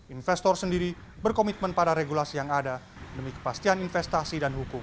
investor sendiri berkomitmen pada regulasi yang ada demi kepastian investasi dan hukum